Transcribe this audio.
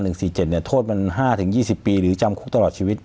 โทษมัน๕๒๐ปีหรือจำคุกตลอดชีวิต